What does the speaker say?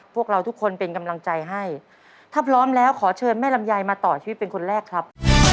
พวกเราทุกคนเป็นกำลังใจให้ถ้าพร้อมแล้วขอเชิญแม่ลำไยมาต่อชีวิตเป็นคนแรกครับ